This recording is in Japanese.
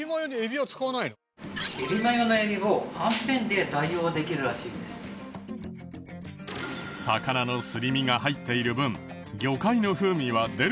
魚のすり身が入っている分魚介の風味は出るかもだけど。